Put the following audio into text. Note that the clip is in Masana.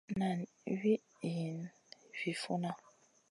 Nani mi Wii yihna vi funna.